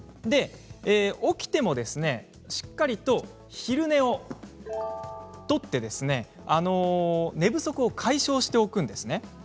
起きてもしっかりと昼寝をとって寝不足を解消しておくんですね。